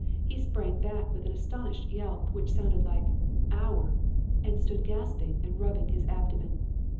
He sprang back with an astonished yelp which sounded like 'Ow er!' and stood gasping and rubbing his abdomen.